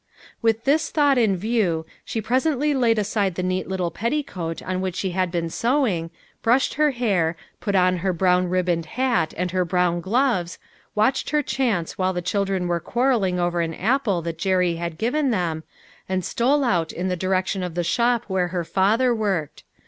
With this thought in view, she presently laid aside the neat little petticoat on which she had been sewing, brushed her hair, put on her brown ribboned hat, and her brown gloves, watched her chance while the children were quarreling over an apple that Jerry had given them, and stole out in the direction of the shop where her father worked.